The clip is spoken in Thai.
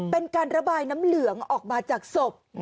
เป็นการระบายน้ำเหลืองออกมาจากศพ